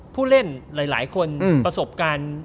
ผู้เล่นหลายคนประสบการณ์